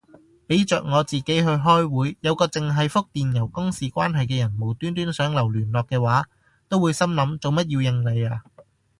俾着我自己去開會，有個剩係覆電郵公事關係嘅人無端端想留聯絡嘅話，都會心諗做乜要應你啊